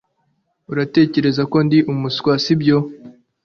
Uratekereza ko ndi umuswa sibyo